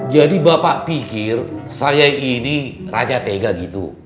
jadi bapak pikir saya ini raja tega gitu